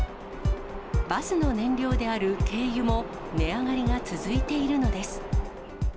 バスの燃料である軽油も値上がりが続いているのです。